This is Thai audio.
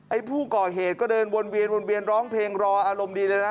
ไอ้ผู้ก่อเหตุก็เดินวนเวียนร้องเพลงรออารมณ์ดีเลยนะ